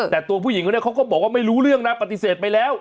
แต่ตัวผู้หญิงคนนี้เขาก็บอกว่าไม่รู้เรื่องนะปฏิเสธไปแล้ว